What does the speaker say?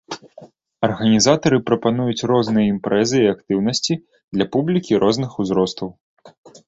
Арганізатары прапануюць розныя імпрэзы і актыўнасці для публікі розных узростаў.